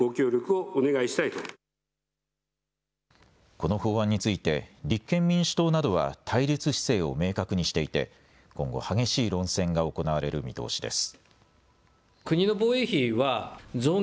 この法案について立憲民主党などは対立姿勢を明確にしていて今後、激しい論戦が行われる見通しです。